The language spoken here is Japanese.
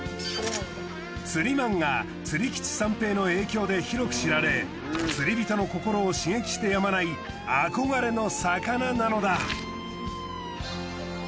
釣りマンガ『釣りキチ三平』の影響で広く知られ釣り人の心を刺激してやまない憧れの魚なのだ。